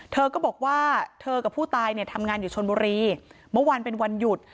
เธอก็บอกว่าเธอกับผู้ตายเนี่ยทำงานอยู่ชนบุรีเมื่อวานเป็นวันหยุด